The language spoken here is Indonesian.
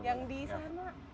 yang di sana